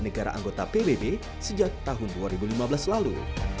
negara anggota pbb sejak tahun dua ribu lima belas lalu